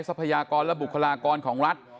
พยากรและบุคลากรของรัฐ